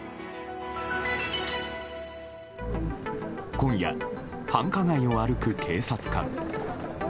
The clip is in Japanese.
今夜、繁華街を歩く警察官。